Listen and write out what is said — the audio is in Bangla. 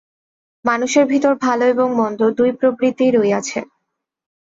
মানুষের ভিতর ভাল এবং মন্দ দুই প্রবৃত্তিই রহিয়াছে।